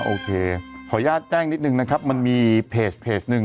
โอเคขออนุญาตแจ้งนิดนึงนะครับมันมีเพจหนึ่ง